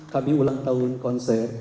kami ulang tahun konser